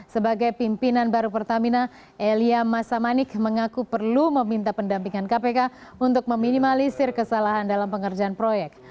sebagai pimpinan baru pertamina elia masamanik mengaku perlu meminta pendampingan kpk untuk meminimalisir kesalahan dalam pengerjaan proyek